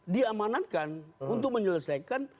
diamanankan untuk menyelesaikan